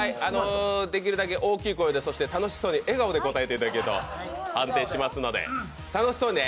できるだけ大きい声で楽しそうに笑顔で答えていただけると安定しますので、楽しそうにね！